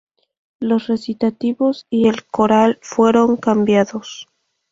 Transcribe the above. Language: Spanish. Los recitativos y el coral fueron cambiados.